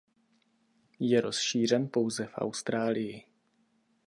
Je rozšířen pouze v Austrálii.